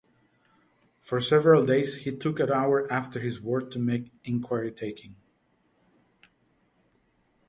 For several days he took an hour after his work to make inquiry taking